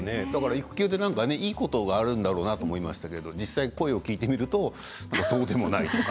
育休っていいことがあるんだろうなと思いますけど実際声を聞いてみるとそうでもないとか。